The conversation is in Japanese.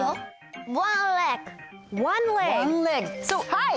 はい！